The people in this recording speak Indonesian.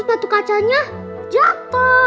dan kacanya jatuh